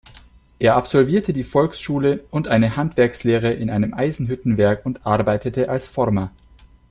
Er absolvierte die Volksschule und eine Handwerkslehre in einem Eisenhüttenwerk und arbeitete als Former.